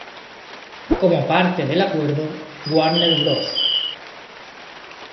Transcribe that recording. Como parte del acuerdo, Warner Bros.